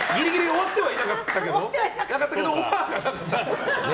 終わってはいなかったけどオファーがなかった。